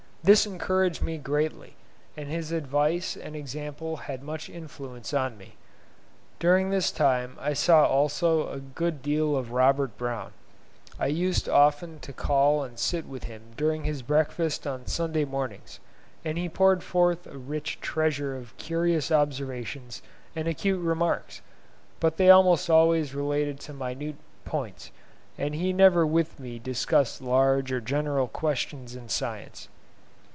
This encouraged me greatly, and his advice and example had much influence on me. During this time I saw also a good deal of Robert Brown; I used often to call and sit with him during his breakfast on Sunday mornings, and he poured forth a rich treasure of curious observations and acute remarks, but they almost always related to minute points, and he never with me discussed large or general questions in science.